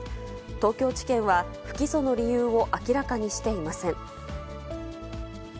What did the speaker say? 東京地検は、不起訴の理由を明らかにしていません。